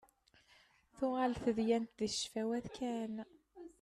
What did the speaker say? Tuɣal tedyant deg ccfawat kan.